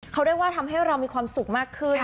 เขาเรียกว่าทำให้เรามีความสุขมากขึ้น